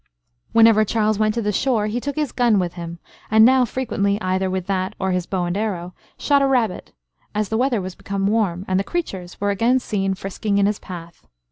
Whenever Charles went to the shore, he took his gun with him, and now frequently, either with that or his bow and arrow, shot a rabbit, as the weather was become warm, and the creatures were again seen frisking in his path.